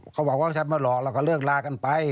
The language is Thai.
เขาบอกว่าฉันไม่หลอกเราก็เลือกลากันไป